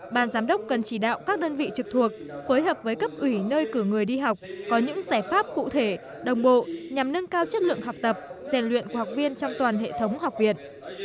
ban giám đốc cần chỉ đạo các đơn vị trực thuộc phối hợp với cấp ủy nơi cử người đi học có những giải pháp cụ thể đồng bộ nhằm nâng cao chất lượng học tập rèn luyện của học viên trong toàn hệ thống học viện